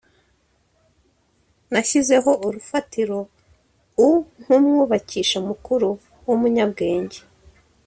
nashyizeho urufatiro u nk umwubakisha mukuru w umunyabwenge